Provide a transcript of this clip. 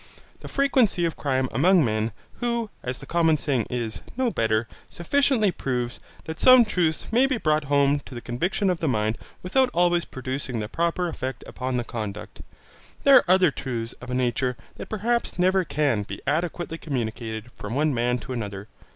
The frequency of crime among men, who, as the common saying is, know better, sufficiently proves, that some truths may be brought home to the conviction of the mind without always producing the proper effect upon the conduct. There are other truths of a nature that perhaps never can be adequately communicated from one man to another.